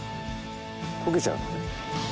溶けちゃうのね。